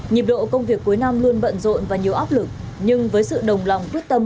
nhịp độ công việc cuối năm luôn bận rộn và nhiều áp lực nhưng với sự đồng lòng quyết tâm